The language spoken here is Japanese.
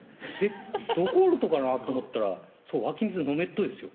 どこおるとかなと思ったら湧き水飲めっとですよ